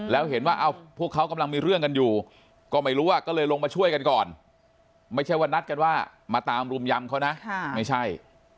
แล้วเห็นว่าพวกเขากำลังมีเรื่องกันอยู่ก็ไม่รู้ก็เลยลงมาช่วยกันก่อนไม่ใช่ว่านัดกันว่ามาตามรุมยำเขานะไม่ใช่